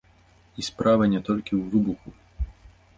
І справа не толькі ў выбуху.